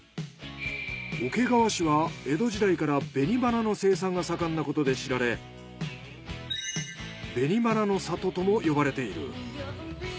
桶川市は江戸時代からべに花の生産が盛んなことで知られべに花の郷とも呼ばれている。